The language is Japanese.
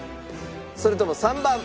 それとも３番。